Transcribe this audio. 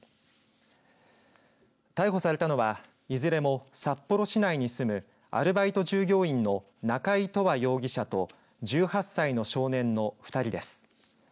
逮捕されたのはいずれも札幌市内に住むアルバイト従業員の中井永遠容疑者と１８歳の少年の２人です。